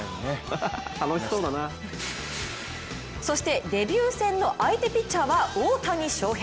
そしてデビュー戦の相手ピッチャーは大谷翔平。